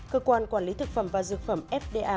cơ quan quản lý thực phẩm và dược phẩm fda